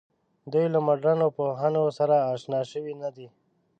دوی له مډرنو پوهنو سره آشنا شوې نه ده.